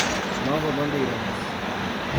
Nova Bandeirantes